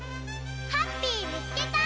ハッピーみつけた！